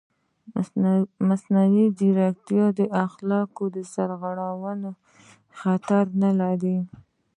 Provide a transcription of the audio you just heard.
ایا مصنوعي ځیرکتیا د اخلاقي سرغړونې خطر نه لري؟